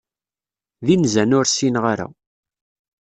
D inzan ur sinneɣ ara.